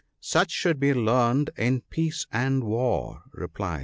* Such should be learned in Peace and War,' replied PEACE.